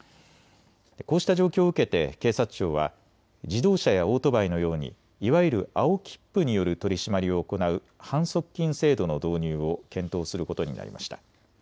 こうした状況を受けて警察庁は自動車やオートバイのようにいわゆる青切符による取締りを行う反則金制度の導入を検討することになりました。